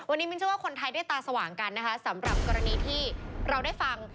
วันนี้มินเชื่อว่าคนไทยได้ตาสว่างกันนะคะสำหรับกรณีที่เราได้ฟัง